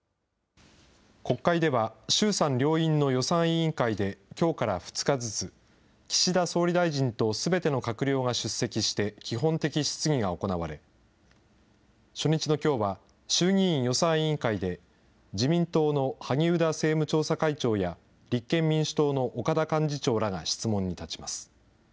国会では、衆参両院の予算委員会できょうから２日ずつ、岸田総理大臣とすべての閣僚が出席して基本的質疑が行われ、初日のきょうは、衆議院予算委員会で自民党の萩生田政務調査会長や、立憲民主党の岡田幹事長らが質問に立ちます。